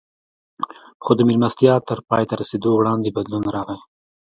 خو د مېلمستیا تر پای ته رسېدو وړاندې بدلون راغی